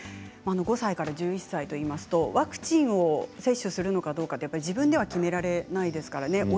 ５歳から１１歳といいますとワクチンを接種するのかどうか自分では決められないですからね。